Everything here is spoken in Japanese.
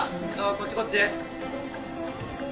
こっちこっち。